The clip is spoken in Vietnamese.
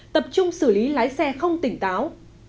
tập trung xử lý lái xe không tỉnh táo